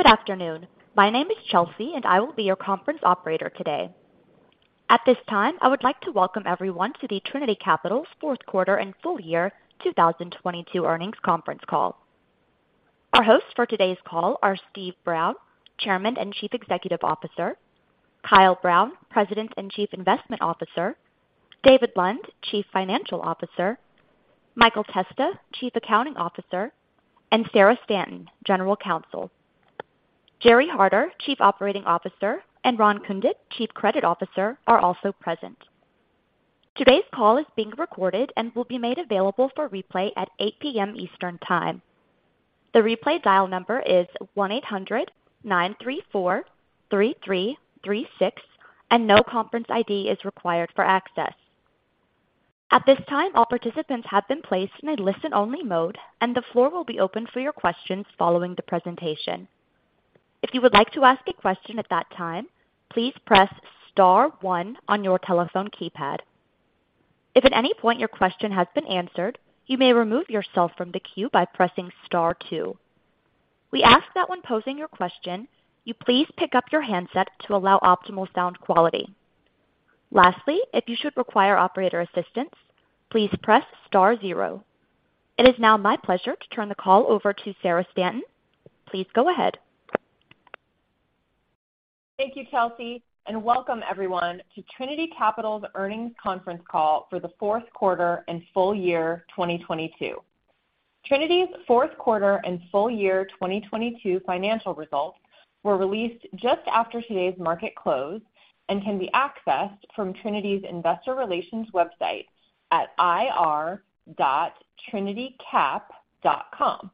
Good afternoon. My name is Chelsea, and I will be your conference operator today. At this time, I would like to welcome everyone to Trinity Capital's Fourth Quarter and Full-Year 2022 Earnings Conference Call. Our hosts for today's call are Steve Brown, Chairman and Chief Executive Officer, Kyle Brown, President and Chief Investment Officer, David Lund, Chief Financial Officer, Michael Testa, Chief Accounting Officer, and Sarah Stanton, General Counsel. Jerry Harter, Chief Operating Officer, and Ron Kundich, Chief Credit Officer, are also present. Today's call is being recorded and will be made available for replay at 8:00 P.M. Eastern Time. The replay dial number is 1-800-934-3336, and no conference ID is required for access. At this time, all participants have been placed in a listen-only mode, and the floor will be open for your questions following the presentation. If you would like to ask a question at that time, please press star one on your telephone keypad. If at any point your question has been answered, you may remove yourself from the queue by pressing star two. We ask that when posing your question, you please pick up your handset to allow optimal sound quality. Lastly, if you should require operator assistance, please press star zero. It is now my pleasure to turn the call over to Sarah Stanton. Please go ahead. Thank you, Chelsea, and welcome everyone to Trinity Capital's Earnings Conference Call for the Fourth Quarter and Full-Year 2022. Trinity's fourth quarter and full year 2022 financial results were released just after today's market close and can be accessed from Trinity's investor relations website at ir.trinitycap.com.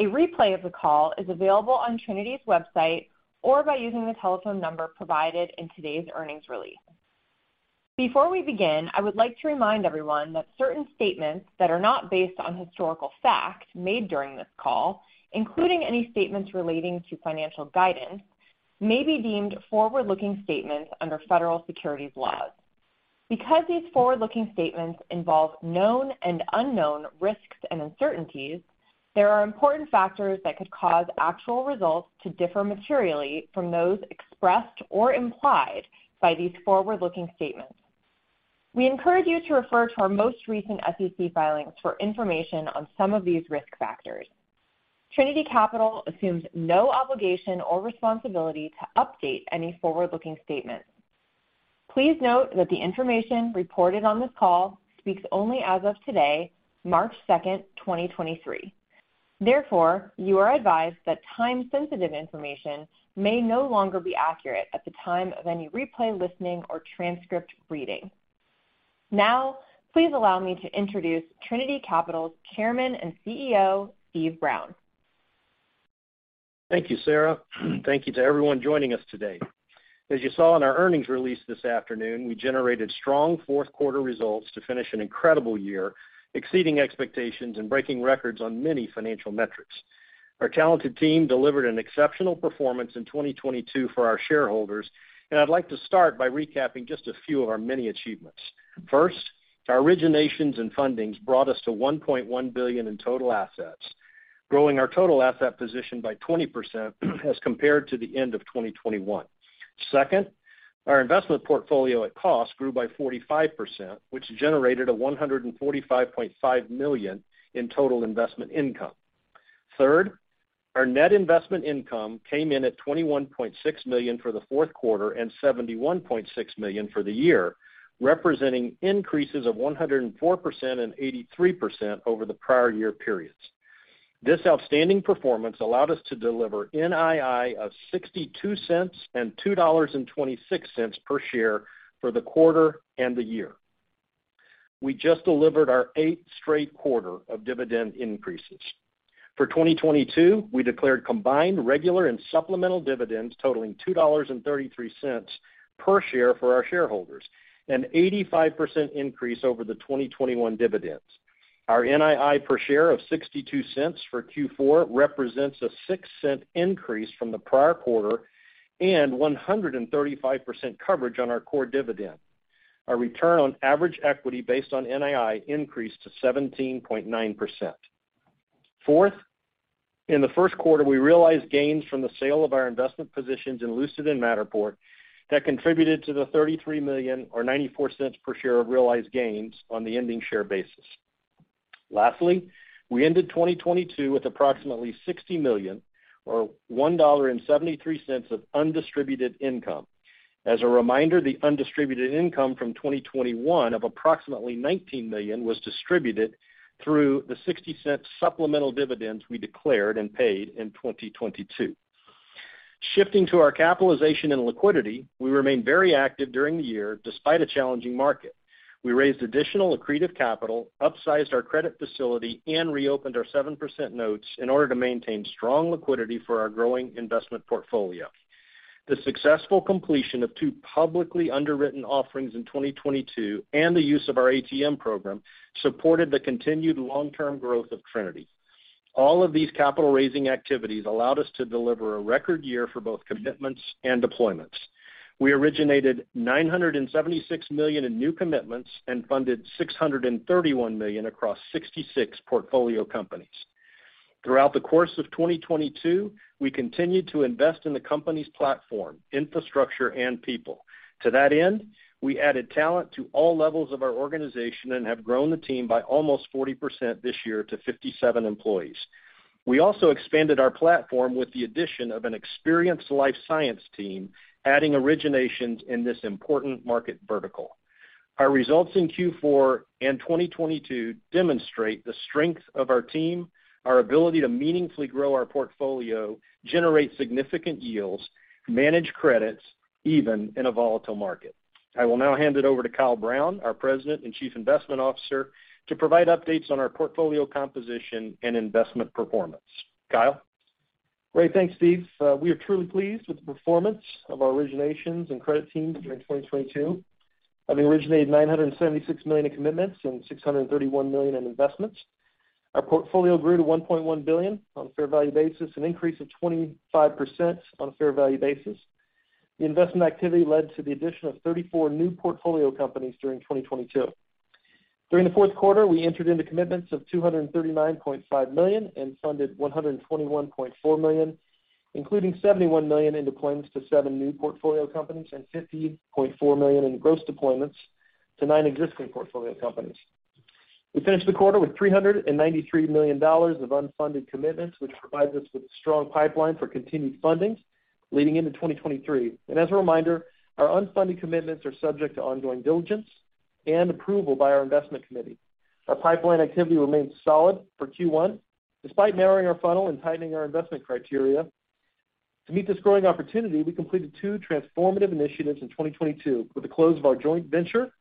A replay of the call is available on Trinity's website or by using the telephone number provided in today's earnings release. Before we begin, I would like to remind everyone that certain statements that are not based on historical facts made during this call, including any statements relating to financial guidance, may be deemed forward-looking statements under federal securities laws. Because these forward-looking statements involve known and unknown risks and uncertainties, there are important factors that could cause actual results to differ materially from those expressed or implied by these forward-looking statements. We encourage you to refer to our most recent SEC filings for information on some of these risk factors. Trinity Capital assumes no obligation or responsibility to update any forward-looking statements. Please note that the information reported on this call speaks only as of today, March 2nd, 2023. Therefore, you are advised that time-sensitive information may no longer be accurate at the time of any replay listening or transcript reading. Please allow me to introduce Trinity Capital's Chairman and CEO, Steve Brown. Thank you, Sarah. Thank you to everyone joining us today. As you saw in our earnings release this afternoon, we generated strong fourth quarter results to finish an incredible year, exceeding expectations and breaking records on many financial metrics. Our talented team delivered an exceptional performance in 2022 for our shareholders, and I'd like to start by recapping just a few of our many achievements. First, our originations and fundings brought us to $1.1 billion in total assets, growing our total asset position by 20% as compared to the end of 2021. Second, our investment portfolio at cost grew by 45%, which generated a $145.5 million in total investment income. Third, our net investment income came in at $21.6 million for the fourth quarter and $71.6 million for the year, representing increases of 104% and 83% over the prior year periods. This outstanding performance allowed us to deliver NII of $0.62 and $2.26 per share for the quarter and the year. We just delivered our eighth straight quarter of dividend increases. For 2022, we declared combined regular and supplemental dividends totaling $2.33 per share for our shareholders, an 85% increase over the 2021 dividends. Our NII per share of $0.62 for Q4 represents a $0.06 increase from the prior quarter and 135% coverage on our core dividend. Our return on average equity based on NII increased to 17.9%. Fourth, in the first quarter, we realized gains from the sale of our investment positions in Lucid and Matterport that contributed to the $33 million or $0.94 per share of realized gains on the ending share basis. Lastly, we ended 2022 with approximately $60 million or $1.73 of undistributed income. As a reminder, the undistributed income from 2021 of approximately $19 million was distributed through the $0.60 supplemental dividends we declared and paid in 2022. Shifting to our capitalization and liquidity, we remained very active during the year despite a challenging market. We raised additional accretive capital, upsized our credit facility, and reopened our 7% notes in order to maintain strong liquidity for our growing investment portfolio. The successful completion of two publicly underwritten offerings in 2022 and the use of our ATM program supported the continued long-term growth of Trinity. All of these capital-raising activities allowed us to deliver a record year for both commitments and deployments. We originated $976 million in new commitments and funded $631 million across 66 portfolio companies. Throughout the course of 2022, we continued to invest in the company's platform, infrastructure, and people. To that end, we added talent to all levels of our organization and have grown the team by almost 40% this year to 57 employees. We also expanded our platform with the addition of an experienced Life Sciences team, adding originations in this important market vertical. Our results in Q4 and 2022 demonstrate the strength of our team, our ability to meaningfully grow our portfolio, generate significant yields, manage credits, even in a volatile market. I will now hand it over to Kyle Brown, our President and Chief Investment Officer, to provide updates on our portfolio composition and investment performance. Kyle? Great. Thanks, Steve. We are truly pleased with the performance of our originations and credit teams during 2022. Having originated $976 million in commitments and $631 million in investments. Our portfolio grew to $1.1 billion on a fair value basis, an increase of 25% on a fair value basis. The investment activity led to the addition of 34 new portfolio companies during 2022. During the fourth quarter, we entered into commitments of $239.5 million and funded $121.4 million, including $71 million in deployments to seven new portfolio companies and $50.4 million in gross deployments to nine existing portfolio companies. We finished the quarter with $393 million of unfunded commitments, which provides us with a strong pipeline for continued funding leading into 2023. As a reminder, our unfunded commitments are subject to ongoing diligence and approval by our investment committee. Our pipeline activity remains solid for Q1 despite narrowing our funnel and tightening our investment criteria. To meet this growing opportunity, we completed two transformative initiatives in 2022 with the close of our joint venture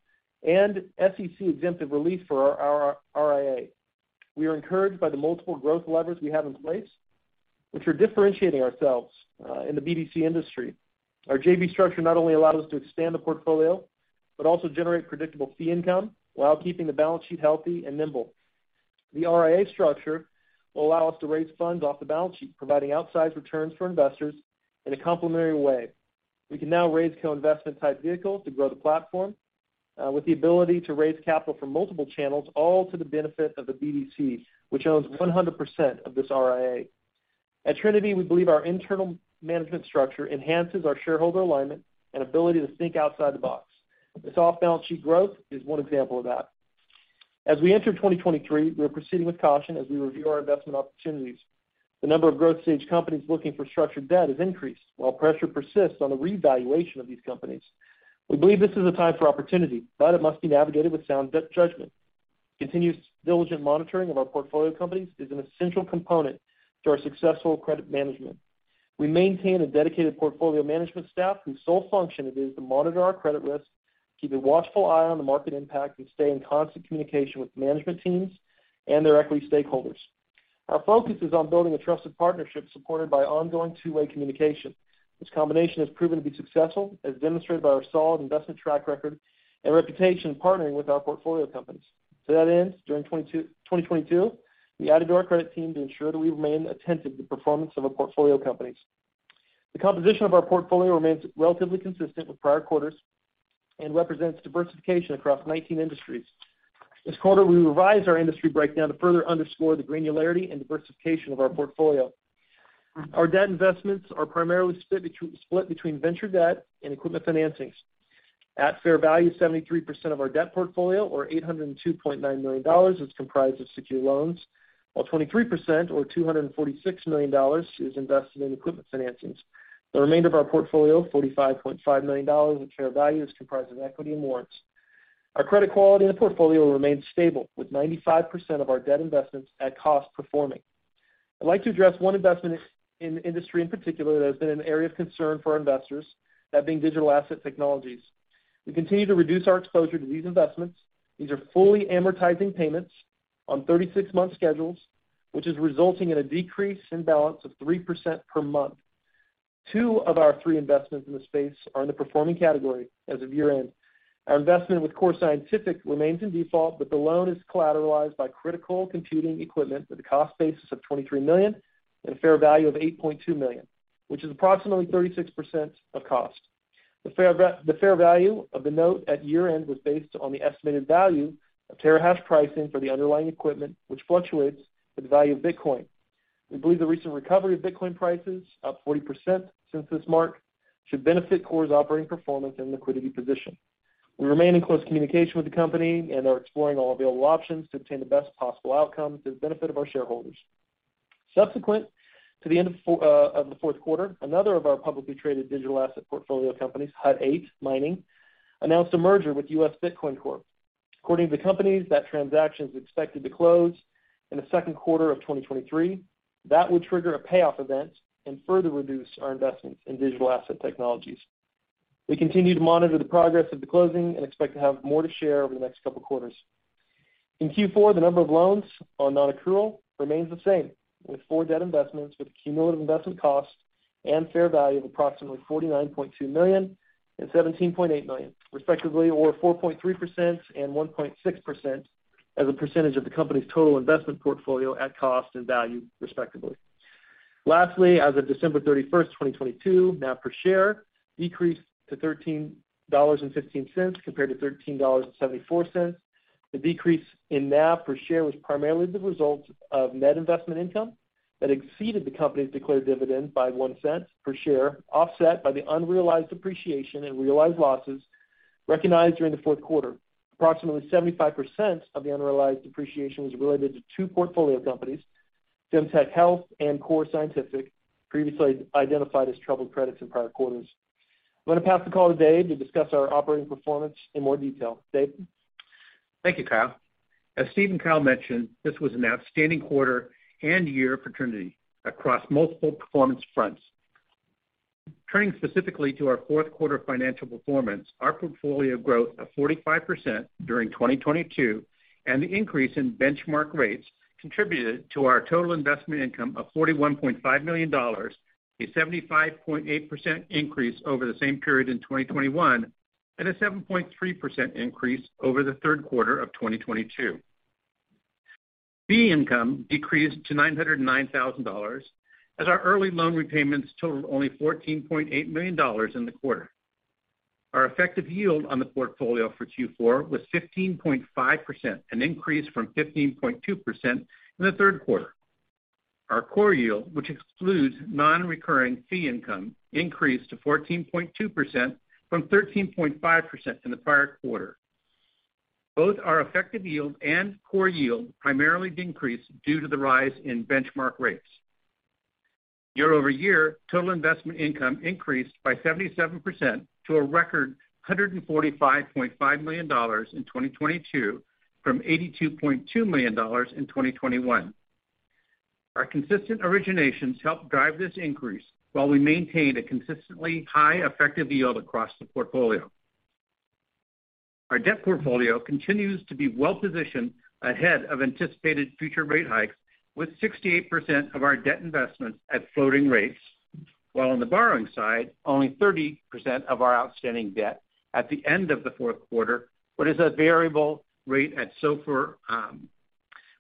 and SEC exemptive relief for our RIA. We are encouraged by the multiple growth levers we have in place, which are differentiating ourselves in the BDC industry. Our JV structure not only allows us to expand the portfolio, but also generate predictable fee income while keeping the balance sheet healthy and nimble. The RIA structure will allow us to raise funds off the balance sheet, providing outsized returns for investors in a complementary way. We can now raise co-investment type vehicles to grow the platform, with the ability to raise capital from multiple channels, all to the benefit of the BDC, which owns 100% of this RIA. At Trinity, we believe our internal management structure enhances our shareholder alignment and ability to think outside the box. This off-balance sheet growth is one example of that. As we enter 2023, we are proceeding with caution as we review our investment opportunities. The number of growth stage companies looking for structured debt has increased while pressure persists on the revaluation of these companies. We believe this is a time for opportunity, but it must be navigated with sound debt judgment. Continuous diligent monitoring of our portfolio companies is an essential component to our successful credit management. We maintain a dedicated portfolio management staff whose sole function it is to monitor our credit risk, keep a watchful eye on the market impact, and stay in constant communication with management teams and their equity stakeholders. Our focus is on building a trusted partnership supported by ongoing two-way communication. This combination has proven to be successful, as demonstrated by our solid investment track record and reputation partnering with our portfolio companies. To that end, during 2022, we added to our credit team to ensure that we remain attentive to the performance of our portfolio companies. The composition of our portfolio remains relatively consistent with prior quarters and represents diversification across 19 industries. This quarter, we revised our industry breakdown to further underscore the granularity and diversification of our portfolio. Our debt investments are primarily split between venture debt and equipment financings. At fair value, 73% of our debt portfolio or $802.9 million is comprised of secured loans, while 23% or $246 million is invested in equipment financings. The remainder of our portfolio, $45.5 million at fair value, is comprised of equity and warrants. Our credit quality in the portfolio remains stable with 95% of our debt investments at cost performing. I'd like to address one investment in industry in particular that has been an area of concern for our investors, that being digital asset technologies. We continue to reduce our exposure to these investments. These are fully amortizing payments on 36-month schedules, which is resulting in a decrease in balance of 3% per month. Two of our three investments in this space are in the performing category as of year-end. Our investment with Core Scientific remains in default, the loan is collateralized by critical computing equipment with a cost basis of $23 million and a fair value of $8.2 million, which is approximately 36% of cost. The fair value of the note at year-end was based on the estimated value of terahash pricing for the underlying equipment, which fluctuates with the value of Bitcoin. We believe the recent recovery of Bitcoin prices, up 40% since this mark, should benefit Core's operating performance and liquidity position. We remain in close communication with the company and are exploring all available options to obtain the best possible outcome to the benefit of our shareholders. Subsequent to the end of the fourth quarter, another of our publicly traded digital asset portfolio companies, Hut 8 Mining, announced a merger with US Bitcoin Corp. According to the companies, that transaction is expected to close in the second quarter of 2023. That would trigger a payoff event and further reduce our investment in digital asset technologies. We continue to monitor the progress of the closing and expect to have more to share over the next couple quarters. In Q4, the number of loans on non-accrual remains the same, with four debt investments with a cumulative investment cost and fair value of approximately $49.2 million and $17.8 million respectively, or 4.3% and 1.6% as a percentage of the company's total investment portfolio at cost and value, respectively. As of December 31st, 2022, NAV per share decreased to $13.15 compared to $13.74. The decrease in NAV per share was primarily the result of net investment income that exceeded the company's declared dividend by $0.01 per share, offset by the unrealized appreciation and realized losses recognized during the fourth quarter. Approximately 75% of the unrealized appreciation was related to two portfolio companies, FemTec Health and Core Scientific, previously identified as troubled credits in prior quarters. I'm gonna pass the call to David to discuss our operating performance in more detail. David? Thank you, Kyle. As Steve and Kyle mentioned, this was an outstanding quarter and year for Trinity across multiple performance fronts. Turning specifically to our fourth quarter financial performance, our portfolio growth of 45% during 2022 and the increase in benchmark rates contributed to our total investment income of $41.5 million, a 75.8% increase over the same period in 2021, and a 7.3% increase over the third quarter of 2022. Fee income decreased to $909,000, as our early loan repayments totaled only $14.8 million in the quarter. Our effective yield on the portfolio for Q4 was 15.5%, an increase from 15.2% in the third quarter. Our core yield, which excludes non-recurring fee income, increased to 14.2% from 13.5% in the prior quarter. Both our effective yield and core yield primarily decreased due to the rise in benchmark rates. Year-over-year, total investment income increased by 77% to a record $145.5 million in 2022 from $82.2 million in 2021. Our consistent originations helped drive this increase while we maintained a consistently high effective yield across the portfolio. Our debt portfolio continues to be well-positioned ahead of anticipated future rate hikes with 68% of our debt investments at floating rates, while on the borrowing side, only 30% of our outstanding debt at the end of the fourth quarter was at a variable rate at SOFR.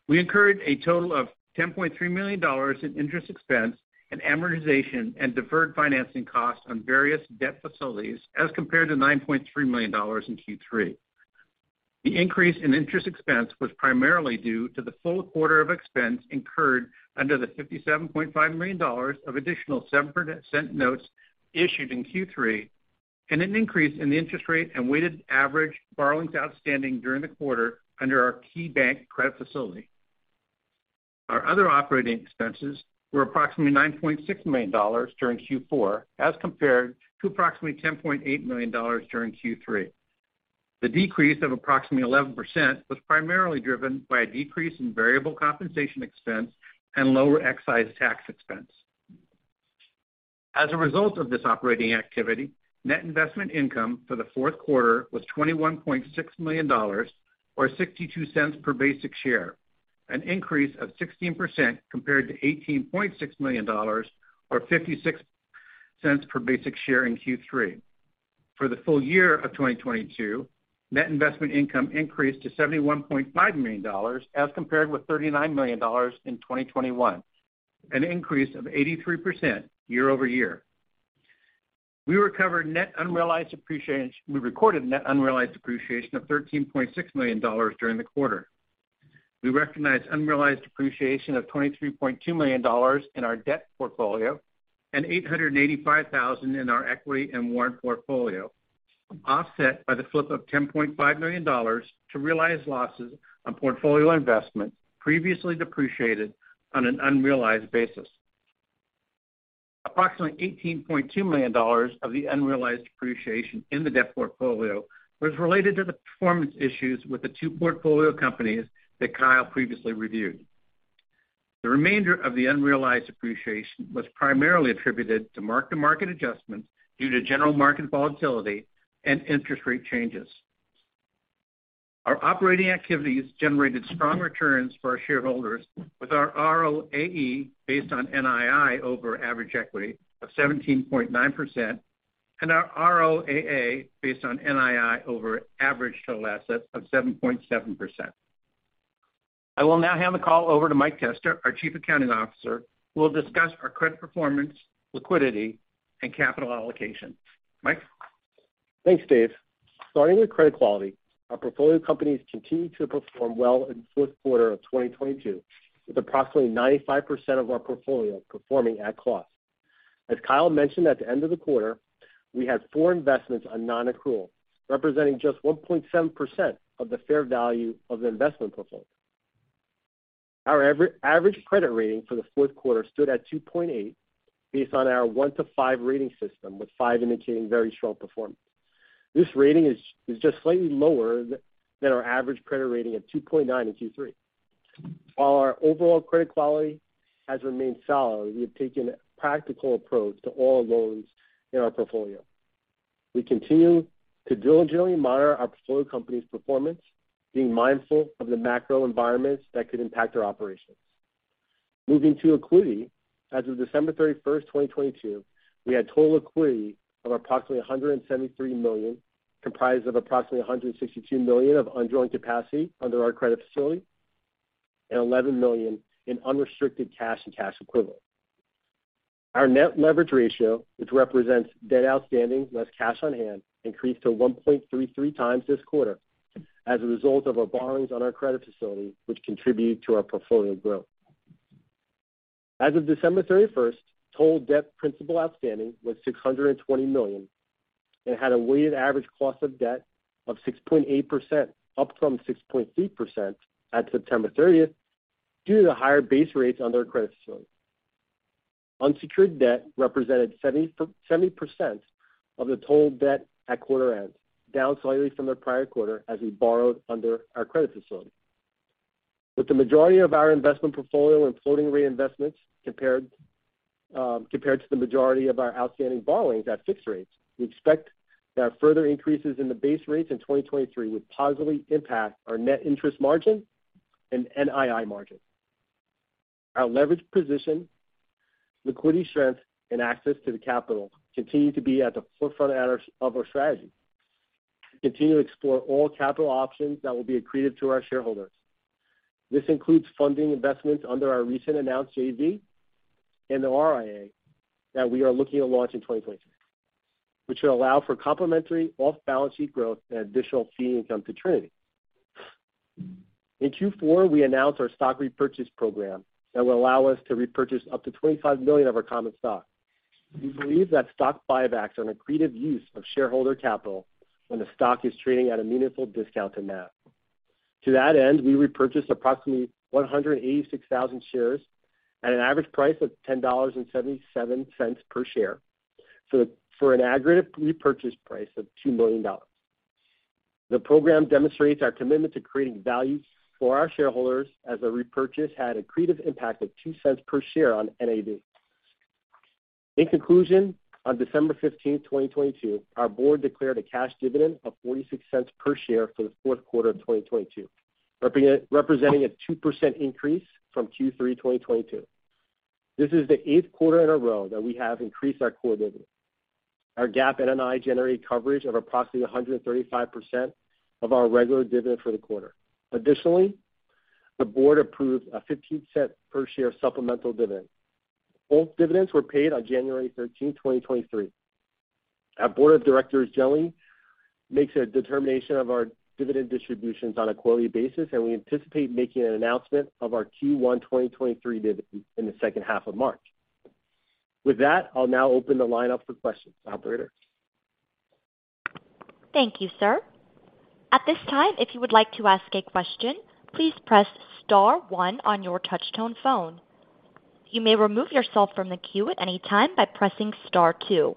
We incurred a total of $10.3 million in interest expense and amortization and deferred financing costs on various debt facilities as compared to $9.3 million in Q3. The increase in interest expense was primarily due to the full quarter of expense incurred under the $57.5 million of additional 7% notes issued in Q3 and an increase in the interest rate and weighted average borrowings outstanding during the quarter under our KeyBank credit facility. Our other operating expenses were approximately $9.6 million during Q4 as compared to approximately $10.8 million during Q3. The decrease of approximately 11% was primarily driven by a decrease in variable compensation expense and lower excise tax expense. As a result of this operating activity, net investment income for the fourth quarter was $21.6 million or $0.62 per basic share, an increase of 16% compared to $18.6 million or $0.56 per basic share in Q3. For the full year of 2022, net investment income increased to $71.5 million as compared with $39 million in 2021, an increase of 83% year-over-year. We recorded net unrealized appreciation of $13.6 million during the quarter. We recognized unrealized appreciation of $23.2 million in our debt portfolio and $885,000 in our equity and warrant portfolio, offset by the flip of $10.5 million to realize losses on portfolio investment previously depreciated on an unrealized basis. Approximately $18.2 million of the unrealized appreciation in the debt portfolio was related to the performance issues with the two portfolio companies that Kyle previously reviewed. The remainder of the unrealized appreciation was primarily attributed to mark-to-market adjustments due to general market volatility and interest rate changes. Our operating activities generated strong returns for our shareholders with our ROAE based on NII over average equity of 17.9% and our ROAA based on NII over average total assets of 7.7%. I will now hand the call over to Mike Testa, our Chief Accounting Officer, who will discuss our credit performance, liquidity, and capital allocation. Mike? Thanks, David. Starting with credit quality, our portfolio companies continued to perform well in the fourth quarter of 2022, with approximately 95% of our portfolio performing at cost. As Kyle mentioned, at the end of the quarter, we had four investments on non-accrual, representing just 1.7% of the fair value of the investment portfolio. Our average credit rating for the fourth quarter stood at 2.8 based on our 1-to-5 rating system, with 5 indicating very strong performance. This rating is just slightly lower than our average credit rating of 2.9 in Q3. While our overall credit quality has remained solid, we have taken a practical approach to all loans in our portfolio. We continue to diligently monitor our portfolio company's performance, being mindful of the macro environments that could impact our operations. Moving to liquidity, as of December 31st, 2022, we had total liquidity of approximately $173 million. Comprised of approximately $162 million of undrawn capacity under our credit facility, and $11 million in unrestricted cash and cash equivalent. Our net leverage ratio, which represents debt outstanding less cash on hand, increased to 1.33x this quarter as a result of our borrowings on our credit facility, which contributed to our portfolio growth. As of December 31st, total debt principal outstanding was $620 million and had a weighted average cost of debt of 6.8%, up from 6.3% at September 30th, due to the higher base rates under our credit facility. Unsecured debt represented 70% of the total debt at quarter end, down slightly from the prior quarter as we borrowed under our credit facility. With the majority of our investment portfolio and floating rate investments compared to the majority of our outstanding borrowings at fixed rates, we expect that further increases in the base rates in 2023 would positively impact our net interest margin and NII margin. Our leverage position, liquidity strength, and access to the capital continue to be at the forefront of our strategy. We continue to explore all capital options that will be accretive to our shareholders. This includes funding investments under our recent announced JV and the RIA that we are looking to launch in 2023, which will allow for complementary off-balance-sheet growth and additional fee income to Trinity. In Q4, we announced our stock repurchase program that will allow us to repurchase up to $25 million of our common stock. We believe that stock buybacks are an accretive use of shareholder capital when the stock is trading at a meaningful discount to NAV. To that end, we repurchased approximately 186,000 shares at an average price of $10.77 per share for an aggregate repurchase price of $2 million. The program demonstrates our commitment to creating value for our shareholders as the repurchase had accretive impact of $0.02 per share on NAV. In conclusion, on December 15th, 2022, our board declared a cash dividend of $0.46 per share for the fourth quarter of 2022, representing a 2% increase from Q3 2022. This is the eighth quarter in a row that we have increased our core dividend. Our GAAP NII generated coverage of approximately 135% of our regular dividend for the quarter. Additionally, the board approved a $0.15 per share supplemental dividend. Both dividends were paid on January 13th, 2023. Our Board of Directors generally makes a determination of our dividend distributions on a quarterly basis, and we anticipate making an announcement of our Q1 2023 dividend in the second half of March. With that, I'll now open the line up for questions. Operator? Thank you, sir. At this time, if you would like to ask a question, please press star one on your touch-tone phone. You may remove yourself from the queue at any time by pressing star two.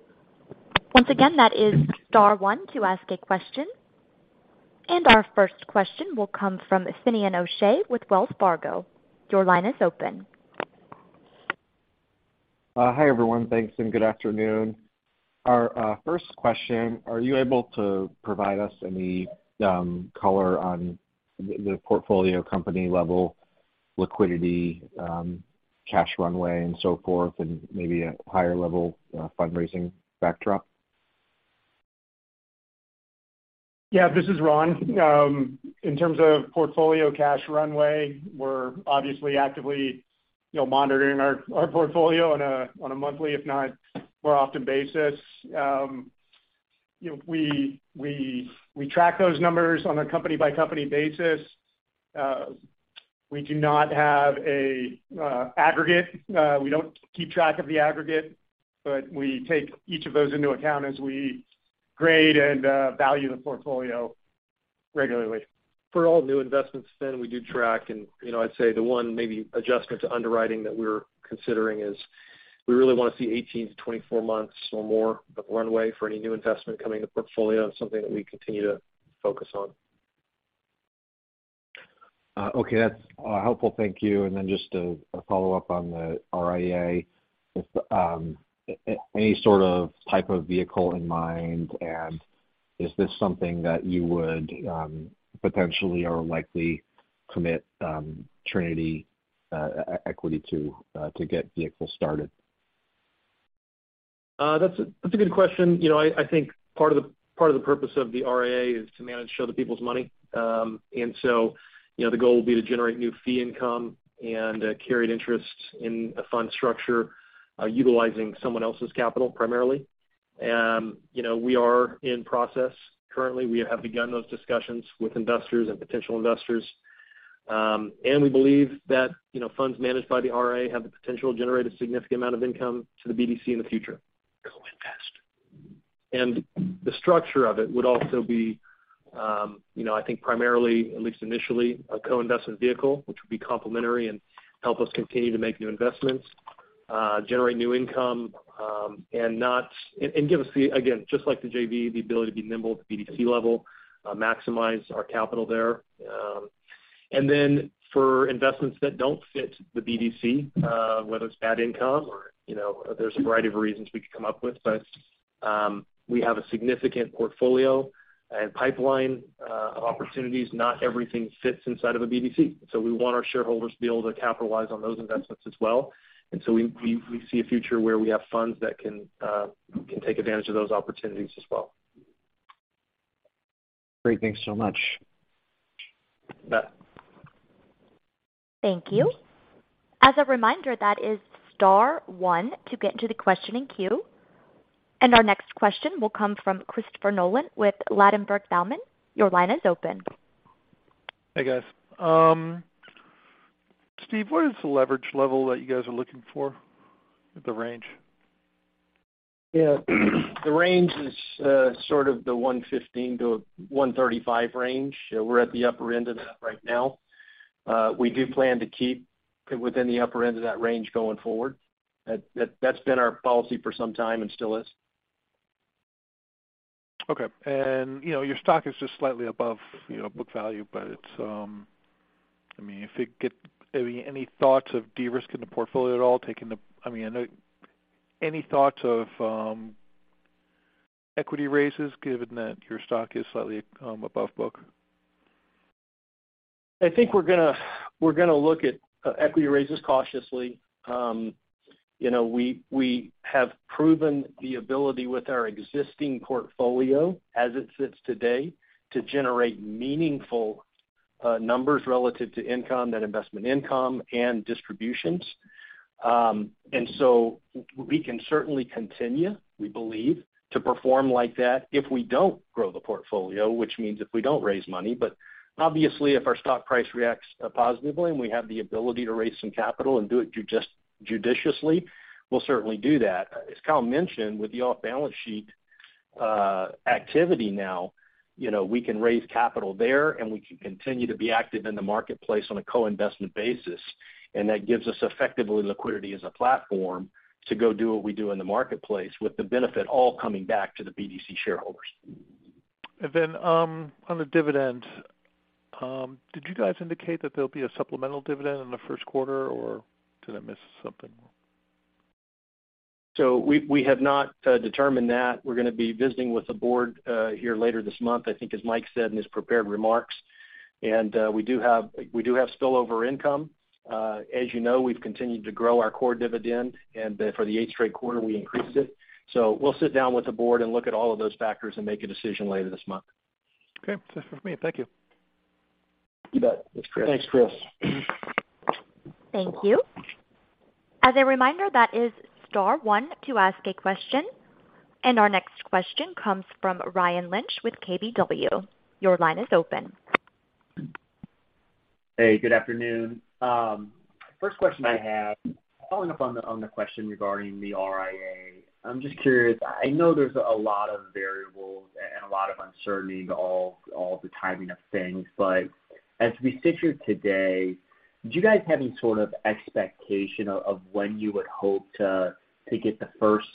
Once again, that is star one to ask a question. Our first question will come from Finian O'Shea with Wells Fargo. Your line is open. Hi, everyone. Thanks. Good afternoon. Our first question, are you able to provide us any color on the portfolio company level liquidity, cash runway, and so forth, and maybe a higher level fundraising backdrop? Yeah, this is Ron. In terms of portfolio cash runway, we're obviously actively, you know, monitoring our portfolio on a monthly, if not more often basis. You know, we track those numbers on a company-by-company basis. We do not have an aggregate. We don't keep track of the aggregate, but we take each of those into account as we grade and value the portfolio regularly. For all new investments, Finn, we do track. You know, I'd say the one maybe adjustment to underwriting that we're considering is we really wanna see 18–24 months or more of runway for any new investment coming to portfolio. It's something that we continue to focus on. Okay. That's helpful. Thank you. Then just a follow-up on the RIA. If any sort of type of vehicle in mind, and is this something that you would potentially or likely commit Trinity Capital equity to get vehicles started? That's a good question. You know, I think part of the purpose of the RIA is to manage other people's money. You know, the goal will be to generate new fee income and carried interest in a fund structure, utilizing someone else's capital primarily. You know, we are in process currently. We have begun those discussions with investors and potential investors. We believe that, you know, funds managed by the RIA have the potential to generate a significant amount of income to the BDC in the future. Co-invest. The structure of it would also be, you know, I think primarily, at least initially, a co-investment vehicle, which would be complementary and help us continue to make new investments, generate new income, and give us the, again, just like the JV, the ability to be nimble at the BDC level, maximize our capital there. Then for investments that don't fit the BDC, whether it's bad income or, you know, there's a variety of reasons we could come up with. We have a significant portfolio and pipeline of opportunities. Not everything fits inside of a BDC. We want our shareholders to be able to capitalize on those investments as well. We see a future where we have funds that can take advantage of those opportunities as well. Great. Thanks so much. Thank you. As a reminder, that is star one to get into the questioning queue. Our next question will come from Christopher Nolan with Ladenburg Thalmann. Your line is open. Hey, guys. Steve, what is the leverage level that you guys are looking for at the range? The range is, sort of the 1.15x-1.35x range. We're at the upper end of that right now. We do plan to keep it within the upper end of that range going forward. That's been our policy for some time and still is. Okay. you know, your stock is just slightly above, you know, book value, but it's, I mean, if it get any thoughts of de-risking the portfolio at all, I mean, I know any thoughts of equity raises given that your stock is slightly above book? I think we're gonna look at equity raises cautiously. you know, we have proven the ability with our existing portfolio as it sits today to generate meaningful numbers relative to income, net investment income and distributions. We can certainly continue, we believe, to perform like that if we don't grow the portfolio, which means if we don't raise money. obviously, if our stock price reacts positively and we have the ability to raise some capital and do it judiciously, we'll certainly do that. As Kyle mentioned, with the off-balance sheet activity now, you know, we can raise capital there, and we can continue to be active in the marketplace on a co-investment basis. That gives us effectively liquidity as a platform to go do what we do in the marketplace with the benefit all coming back to the BDC shareholders. On the dividend, did you guys indicate that there'll be a supplemental dividend in the first quarter, or did I miss something? We have not determined that. We're gonna be visiting with the board here later this month, I think, as Mike said in his prepared remarks. We do have spillover income. As you know, we've continued to grow our core dividend, and for the eighth trade quarter, we increased it. We'll sit down with the board and look at all of those factors and make a decision later this month. Okay. That's it for me. Thank you. You bet. Thanks, Chris. Thank you. As a reminder, that is star one to ask a question. Our next question comes from Ryan Lynch with KBW. Your line is open. Hey, good afternoon. First question I have, following up on the question regarding the RIA. I'm just curious. I know there's a lot of variables and a lot of uncertainty in all the timing of things. As we sit here today, do you guys have any sort of expectation of when you would hope to get the first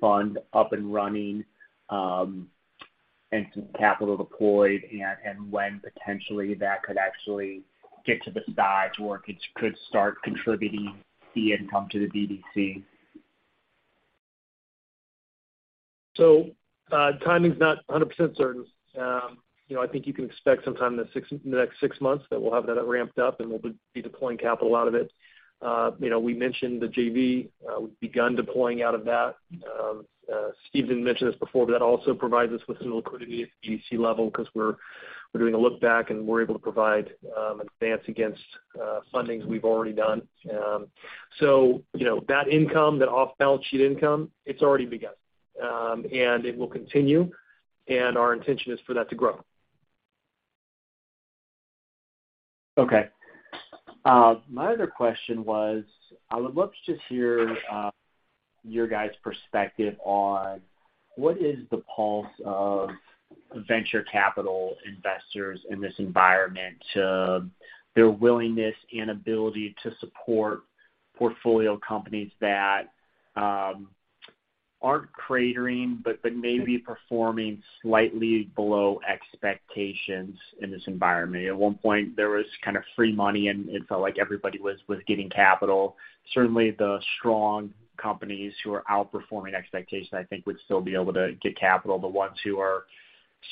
fund up and running, and some capital deployed and when potentially that could actually get to the size where it could start contributing the income to the BDC? Timing's not 100% certain. You know, I think you can expect sometime in the next six months that we'll have that ramped up, and we'll be deploying capital out of it. You know, we mentioned the JV. We've begun deploying out of that. Steve didn't mention this before, but that also provides us with some liquidity at the BDC level because we're doing a look back, and we're able to provide advance against fundings we've already done. You know, that income, that off-balance sheet income, it's already begun. It will continue, and our intention is for that to grow. Okay. My other question was, I would love to just hear your guys' perspective on what is the pulse of venture capital investors in this environment to their willingness and ability to support portfolio companies that aren't cratering, but maybe performing slightly below expectations in this environment. At one point, there was kind of free money, and it felt like everybody was getting capital. Certainly, the strong companies who are outperforming expectations, I think, would still be able to get capital. The ones who are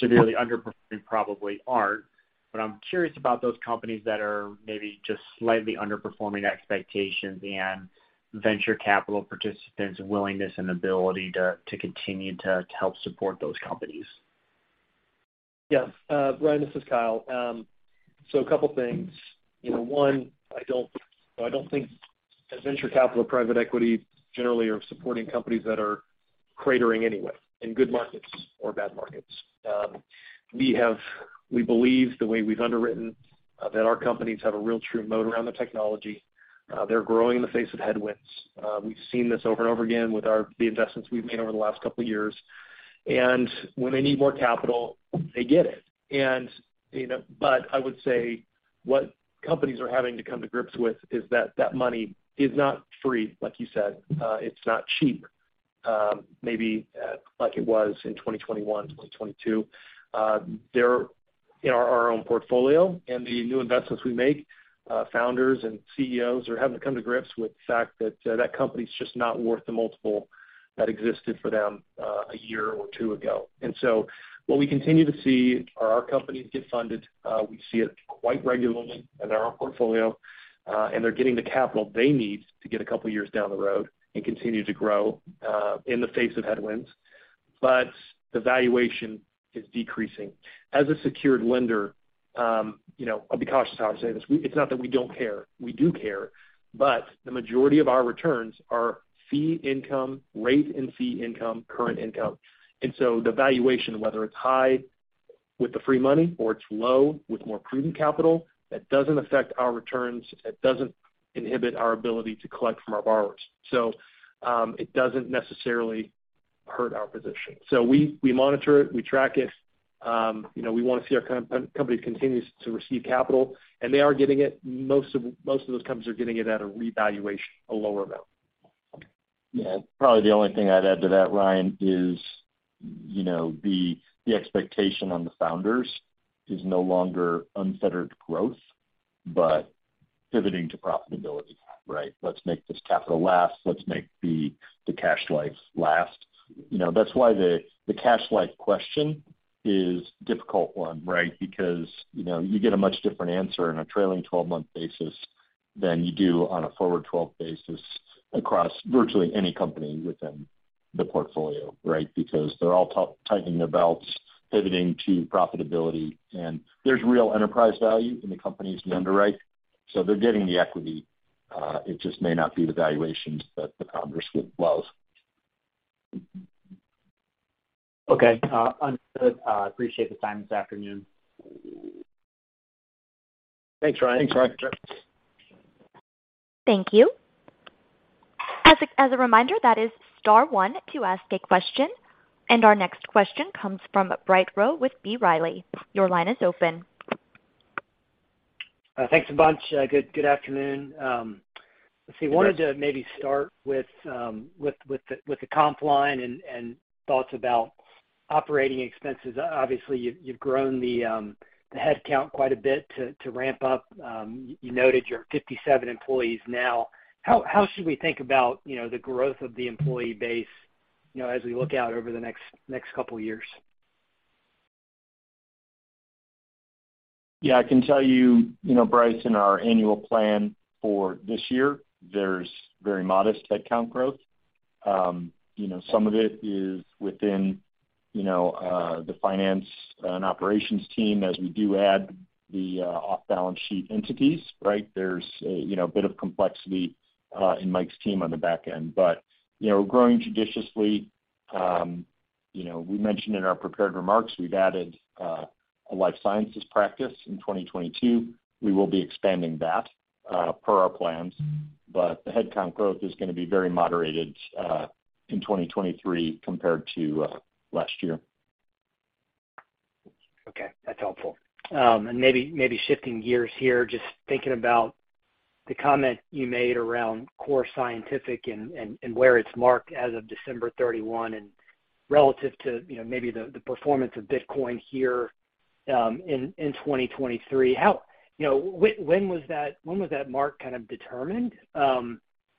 severely underperforming probably aren't. I'm curious about those companies that are maybe just slightly underperforming expectations and venture capital participants' willingness and ability to continue to help support those companies. Ryan, this is Kyle. A couple things. You know, one, I don't think that venture capital, private equity generally are supporting companies that are cratering anyway in good markets or bad markets. We believe the way we've underwritten that our companies have a real true moat around the technology. They're growing in the face of headwinds. We've seen this over and over again with the investments we've made over the last couple of years. When they need more capital, they get it. You know, I would say what companies are having to come to grips with is that that money is not free, like you said. It's not cheap, maybe, like it was in 2021, 2022. They're in our own portfolio and the new investments we make, founders and CEOs are having to come to grips with the fact that that company is just not worth the multiple that existed for them a year or two ago. What we continue to see are our companies get funded. We see it quite regularly in our own portfolio, and they're getting the capital they need to get a couple of years down the road and continue to grow in the face of headwinds. The valuation is decreasing. As a secured lender, you know, I'll be cautious how I say this. It's not that we don't care, we do care, but the majority of our returns are fee income, rate and fee income, current income. The valuation, whether it's high with the free money or it's low with more prudent capital, that doesn't affect our returns. It doesn't inhibit our ability to collect from our borrowers. It doesn't necessarily hurt our position. We monitor it, we track it, you know, we wanna see our company continues to receive capital, and they are getting it. Most of those companies are getting it at a revaluation, a lower amount. Yeah. Probably the only thing I'd add to that, Ryan, is, you know, the expectation on the founders is no longer unfettered growth, but pivoting to profitability, right? Let's make this capital last, let's make the cash life last. You know, that's why the cash life question is difficult one, right? Because, you know, you get a much different answer on a trailing 12-month basis than you do on a forward 12 basis across virtually any company within the portfolio, right? Because they're all tightening their belts, pivoting to profitability. There's real enterprise value in the companies we underwrite, so they're getting the equity. It just may not be the valuations that the founders would love. Okay. Understood. Appreciate the time this afternoon. Thanks, Ryan. Thanks, Ryan. Thank you. As a reminder, that is star one to ask a question. Our next question comes from Bryce Rowe with B. Riley. Your line is open. Thanks a bunch. Good afternoon. Let's see. Wanted to maybe start with the comp line and thoughts about operating expenses. Obviously, you've grown the headcount quite a bit to ramp up. You noted you're 57 employees now. How should we think about, you know, the growth of the employee base, you know, as we look out over the next couple years? Yeah, I can tell you know, Bryce, in our annual plan for this year, there's very modest headcount growth. You know, some of it is within, you know, the finance and operations team as we do add the off-balance sheet entities, right? There's, you know, a bit of complexity in Mike's team on the back end. You know, we're growing judiciously. You know, we mentioned in our prepared remarks, we've added a Life Sciences practice in 2022. We will be expanding that per our plans. The headcount growth is gonna be very moderated in 2023 compared to last year. Okay, that's helpful. Maybe shifting gears here, just thinking about the comment you made around Core Scientific and where it's marked as of December 31 and relative to, you know, maybe the performance of Bitcoin here in 2023. How? You know, when was that mark kind of determined?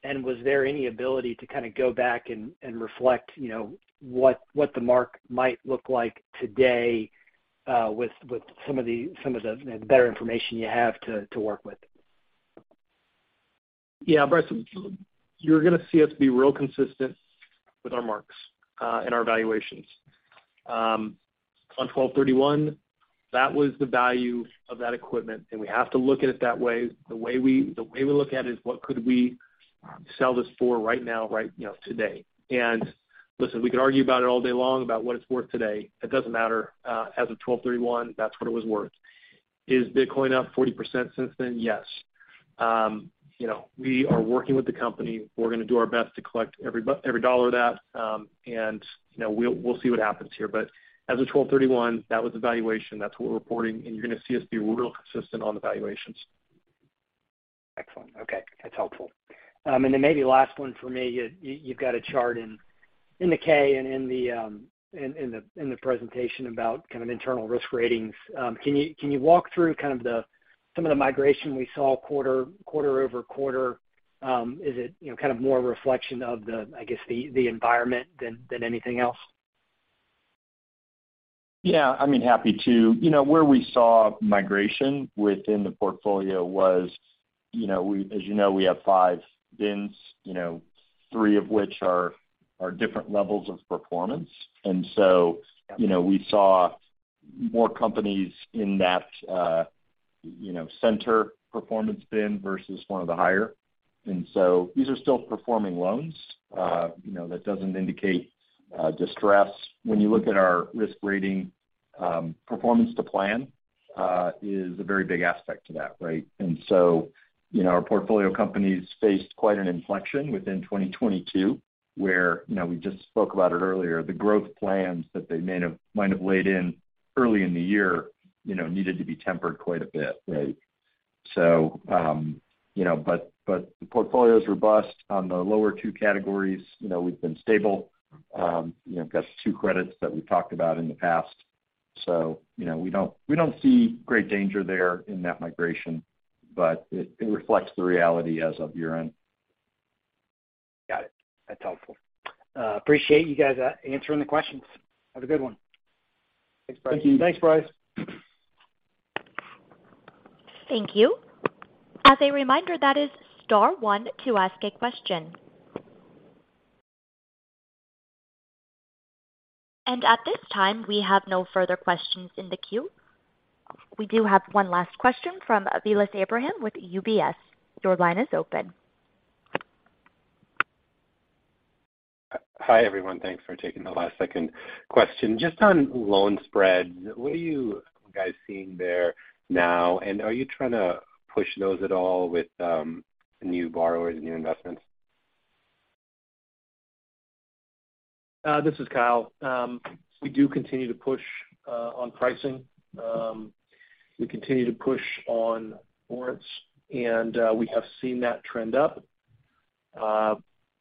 And was there any ability to kinda go back and reflect, you know, what the mark might look like today with some of the better information you have to work with? Yeah, Bryce, you're gonna see us be real consistent with our marks and our valuations. On 12/31, that was the value of that equipment, and we have to look at it that way. The way we look at it is what could we sell this for right now, right, you know, today. Listen, we could argue about it all day long about what it's worth today. It doesn't matter. As of 12/31, that's what it was worth. Is Bitcoin up 40% since then? Yes. You know, we are working with the company. We're gonna do our best to collect every dollar of that, and, you know, we'll see what happens here. As of 12/31, that was the valuation. That's what we're reporting, and you're gonna see us be real consistent on the valuations. Excellent. Okay, that's helpful. And then maybe last one for me. You've got a chart in the K and in the presentation about kind of internal risk ratings. Can you walk through some of the migration we saw quarter-over-quarter? Is it, you know, kind of more a reflection of the, I guess, the environment than anything else? Yeah, I mean, happy to. You know, where we saw migration within the portfolio was, you know, as you know, we have five bins, you know, three of which are different levels of performance. Yeah And so, you know, we saw more companies in that, you know, center performance bin versus one of the higher. These are still performing loans. You know, that doesn't indicate distress. When you look at our risk rating, performance to plan is a very big aspect to that, right? You know, our portfolio companies faced quite an inflection within 2022, where, you know, we just spoke about it earlier, the growth plans that they might have laid in early in the year, you know, needed to be tempered quite a bit, right? You know, but the portfolio is robust on the lower two categories. You know, we've been stable. You know, we've got two credits that we've talked about in the past. You know, we don't see great danger there in that migration, but it reflects the reality as of year-end. Got it. That's helpful. Appreciate you guys answering the questions. Have a good one. Thanks, Bryce. Thank you. Thanks, Bryce. Thank you. As a reminder, that is star one to ask a question. At this time, we have no further questions in the queue. We do have one last question from Vilas Abraham with UBS. Your line is open. Hi, everyone. Thanks for taking the last second question. Just on loan spreads, what are you guys seeing there now? Are you trying to push those at all with, new borrowers, new investments? This is Kyle. We do continue to push on pricing. We continue to push on warrants and we have seen that trend up.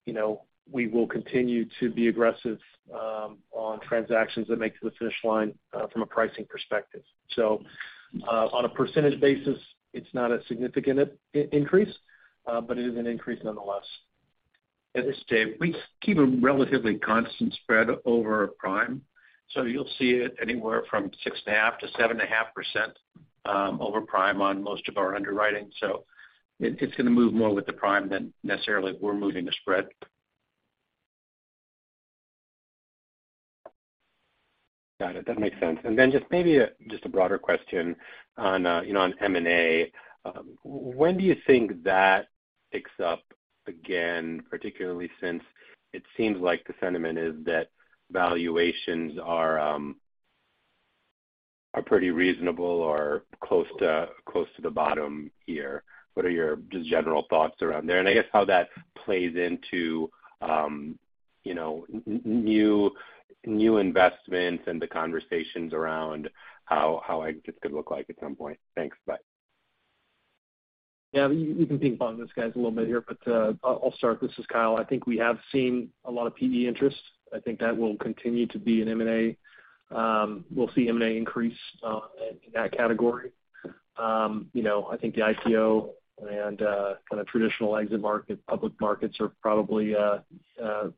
You know, we will continue to be aggressive on transactions that make it to the finish line from a pricing perspective. On a percentage basis, it's not a significant increase, but it is an increase nonetheless. At this stage, we keep a relatively constant spread over prime, so you'll see it anywhere from 6.5%-7.5% over prime on most of our underwriting. It's gonna move more with the prime than necessarily we're moving the spread. Got it. That makes sense. Just maybe a broader question on, you know, on M&A. When do you think that picks up again, particularly since it seems like the sentiment is that valuations are pretty reasonable or close to the bottom here? What are your just general thoughts around there? I guess how that plays into, you know, new investments and the conversations around how it just could look like at some point. Thanks. Bye. Yeah, we can ping-pong this, guys, a little bit here. I'll start. This is Kyle. I think we have seen a lot of PE interest. I think that will continue to be in M&A. We'll see M&A increase in that category. You know, I think the IPO and kind of traditional exit market, public markets are probably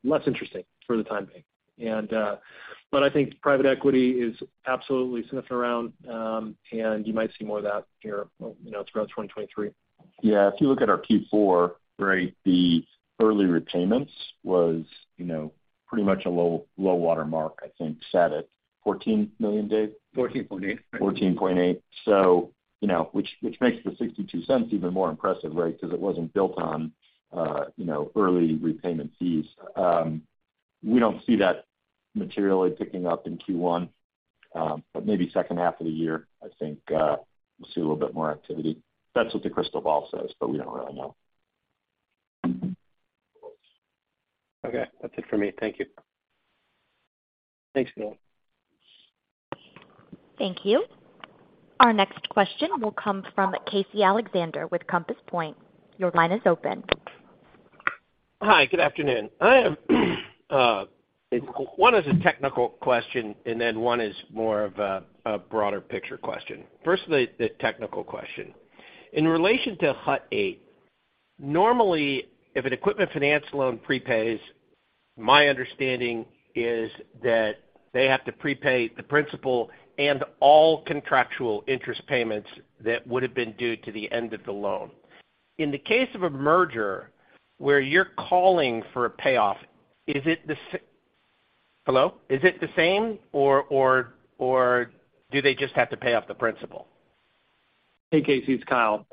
less interesting for the time being. I think private equity is absolutely sniffing around, and you might see more of that here, you know, throughout 2023. Yeah. If you look at our Q4, right, the early repayments was, you know, pretty much a low, low water mark, I think sat at $14 million, Dave? $14.8 million. $14.8 million. You know, which makes the $0.62 even more impressive, right? 'Cause it wasn't built on, you know, early repayment fees. We don't see that materially picking up in Q1, but maybe second half of the year, I think, we'll see a little bit more activity. That's what the crystal ball says, but we don't really know. Okay. That's it for me. Thank you. Thanks, Vilas. Thank you. Our next question will come from Casey Alexander with Compass Point. Your line is open. Hi. Good afternoon. I am, one is a technical question, and then one is more of a broader picture question. Firstly, the technical question. In relation to Hut 8, normally, if an equipment finance loan prepays, my understanding is that they have to prepay the principal and all contractual interest payments that would have been due to the end of the loan. In the case of a merger where you're calling for a payoff, Hello? Is it the same or do they just have to pay off the principal? Hey, Casey. It's Kyle.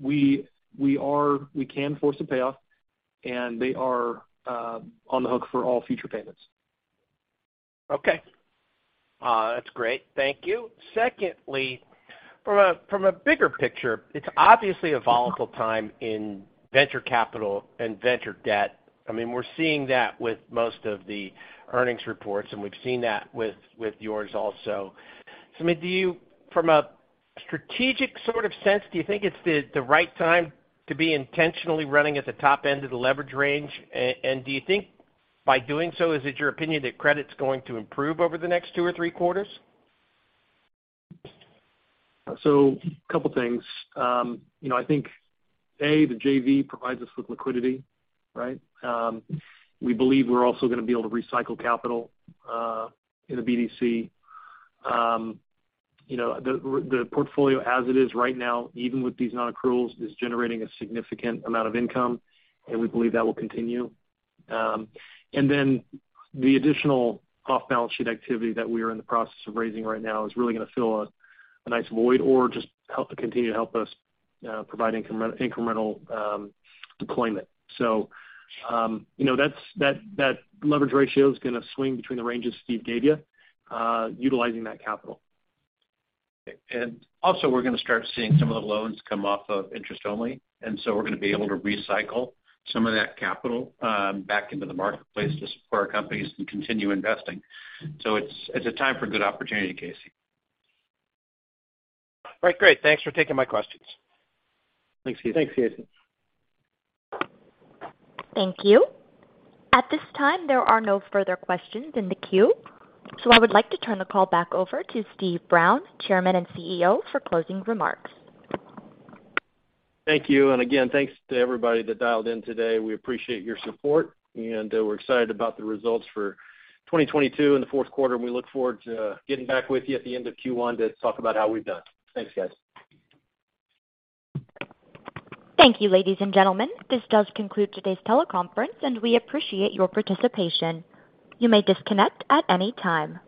We can force a payoff, and they are on the hook for all future payments. Okay. That's great. Thank you. Secondly, from a bigger picture, it's obviously a volatile time in venture capital and venture debt. I mean, we're seeing that with most of the earnings reports, and we've seen that with yours also. I mean, do you—from a strategic sort of sense—do you think it's the right time to be intentionally running at the top end of the leverage range? Do you think by doing so, is it your opinion that credit's going to improve over the next two or three quarters? Couple things. You know, I think, A, the JV provides us with liquidity, right? We believe we're also gonna be able to recycle capital in the BDC. You know, the portfolio as it is right now, even with these non-accruals, is generating a significant amount of income, and we believe that will continue. The additional off-balance sheet activity that we are in the process of raising right now is really gonna fill a nice void or just help to continue to help us provide incremental deployment. You know, that leverage ratio is gonna swing between the ranges Steve gave you utilizing that capital. Also we're gonna start seeing some of the loans come off of interest only, and so we're gonna be able to recycle some of that capital back into the marketplace to support our companies and continue investing. It's, it's a time for good opportunity, Casey. Right. Great. Thanks for taking my questions. Thanks, Casey. Thanks, Casey. Thank you. At this time, there are no further questions in the queue. I would like to turn the call back over to Steve Brown, Chairman and CEO, for closing remarks. Thank you. Again, thanks to everybody that dialed in today. We appreciate your support, and we're excited about the results for 2022 in the fourth quarter, and we look forward to getting back with you at the end of Q1 to talk about how we've done. Thanks, guys. Thank you, ladies and gentlemen. This does conclude today's teleconference, and we appreciate your participation. You may disconnect at any time.